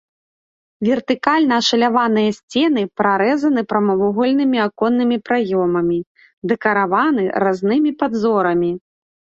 Вертыкальна ашаляваныя сцены прарэзаны прамавугольнымі аконнымі праёмамі, дэкарыраваны разнымі падзорамі.